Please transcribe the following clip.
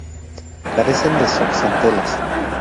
Carecen de zooxantelas.